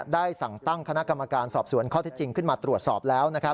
ได้สั่งตั้งคณะกรรมการสอบสวนข้อที่จริงขึ้นมาตรวจสอบแล้ว